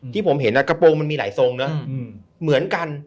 ที่ผมเห็นกระโปรงมันมีหลายทรงเนอะเหมือนกัน